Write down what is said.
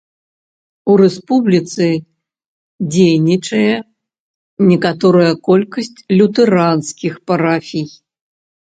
У рэспубліцы дзейнічае некаторая колькасць лютэранскіх парафій.